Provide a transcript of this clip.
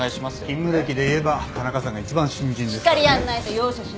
勤務歴でいえば田中さんが一番新人ですからね。